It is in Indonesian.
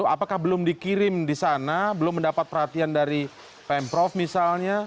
apakah belum dikirim di sana belum mendapat perhatian dari pemprov misalnya